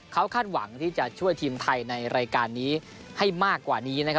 เขาคาดหวังที่จะช่วยทีมไทยในรายการนี้ให้มากกว่านี้นะครับ